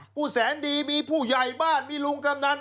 แสนดีมีผู้ใหญ่บ้านมีลุงกำนัน